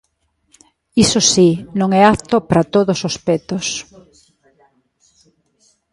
Iso si, non é apto pra todos os petos.